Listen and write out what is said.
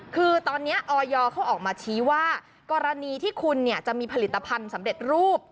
คือตอนนี้ออยเขาออกมาชี้ว่ากรณีที่คุณจะมีผลิตภัณฑ์สำเร็จรูป